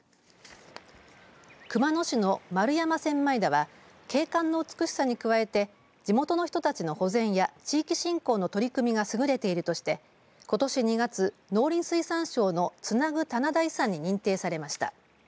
枚田は景観の美しさに加えて地元の人たちの保全や地域振興の取り組みがすぐれているとしてことし２月、農林水産省のつなぐ棚田遺産に認定されました。